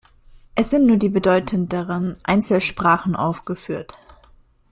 Es sind nur die bedeutenderen Einzelsprachen aufgeführt.